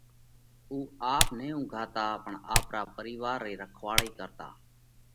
آپ نہ اُونگھاتا پڻ آپرا پرِيوَار رئِي رکواۯئِي ڪرتا۔